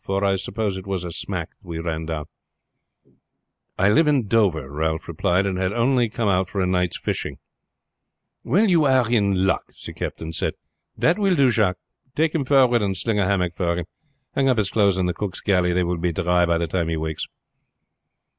For I suppose it was a smack that we run down." "I live at Dover," Ralph replied, "and had only come out for a night's fishing." "Well, you are out of luck," the captain said. "That will do, Jacques. Take him forward and sling a hammock for him. Hang up his clothes in the cook's galley, they will be dry by the time he wakes."